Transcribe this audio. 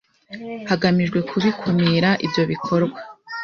hagamijwe kubikumira ibyo bikorwa